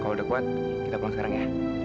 kalau udah kuat kita pulang sekarang ya